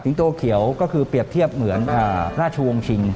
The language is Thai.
โตเขียวก็คือเปรียบเทียบเหมือนราชวงศ์ชิง